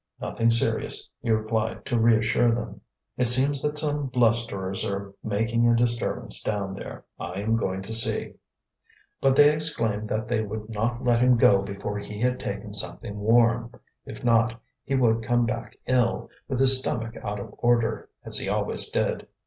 "Nothing serious," he replied, to reassure them. "It seems that some blusterers are making a disturbance down there. I am going to see." But they exclaimed that they would not let him go before he had taken something warm. If not, he would come back ill, with his stomach out of order, as he always did.